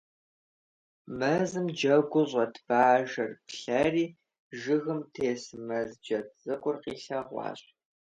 Мэзым джэгуу щӀэт Бажэр плъэри жыгым тес, Мэз джэд цӀыкӀур къилъэгъуащ.